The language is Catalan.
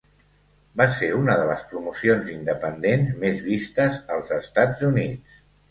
Va ser una de les promocions independents més vistes als Estats Units.